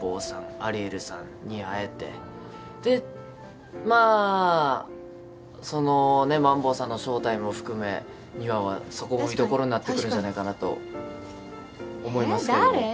アリエルさんに会えてでまあそのマンボウさんの正体も含め２話はそこが見どころになってくるんじゃないかと思いますけど誰？